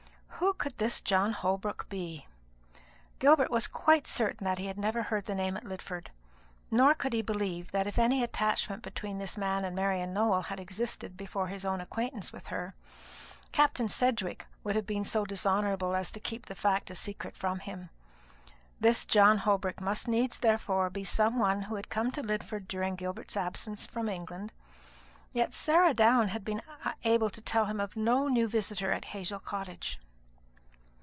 Who could this John Holbrook be? Gilbert was quite certain that he had never heard the name at Lidford, nor could he believe that if any attachment between this man and Marian Nowell had existed before his own acquaintance with her, Captain Sedgewick would have been so dishonourable as to keep the fact a secret from him. This John Holbrook must needs, therefore, be some one who had come to Lidford during Gilbert's absence from England; yet Sarah Down had been able to tell him of no new visitor at Hazel Cottage.